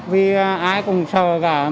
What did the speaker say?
vì ai cũng sợ cả